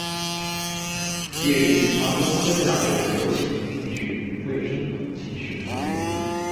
毕业于华中科技大学流行病学与卫生统计学专业。